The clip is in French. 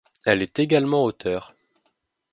Elle est également auteure.